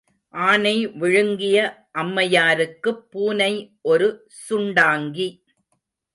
ஆனை விழுங்கிய அம்மையாருக்குப் பூனை ஒரு சுண்டாங்கி.